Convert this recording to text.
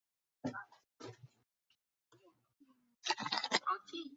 近铁八田站近铁名古屋线之车站。